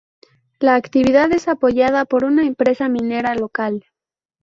La actividad es apoyada por una empresa minera local.